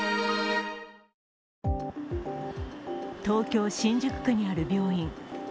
東京・新宿区にある病院。